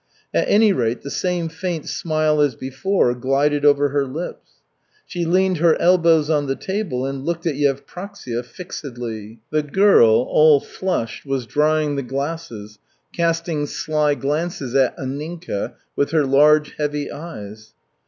At any rate the same faint smile as before glided over her lips. She leaned her elbows on the table and looked at Yevpraksia fixedly. The, girl all flushed, was drying the glasses, casting sly glances at Anninka with her large, heavy eyes.